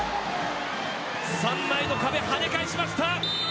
３枚の壁、はね返しました。